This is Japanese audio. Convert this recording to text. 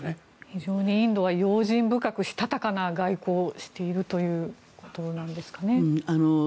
非常にインドが用心深く、したたかな外交をしているということなんですかね。